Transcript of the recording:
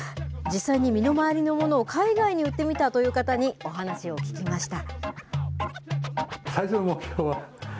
実際に身の回りのものを海外に売ってみたという方にお話を聞きました。